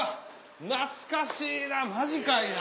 懐かしいなマジかいな。